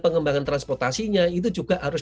pengembangan transportasinya itu juga harus